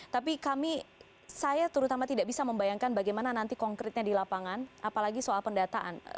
tapi kami saya terutama tidak bisa membayangkan bagaimana nanti konkretnya di lapangan apalagi soal pendataan